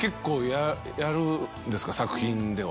作品では。